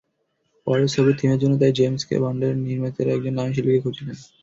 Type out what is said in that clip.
পরের ছবির থিমের জন্য তাই জেমস বন্ডের নির্মাতারা একজন নামী শিল্পীকে খুঁজছিলেন।